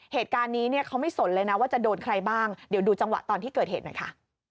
เหตุการณ์นี้เนี่ยเขาไม่สนเลยนะว่าจะโดนใครบ้างเดี๋ยวดูจังหวะตอนที่เกิดเหตุหน่อยค่ะ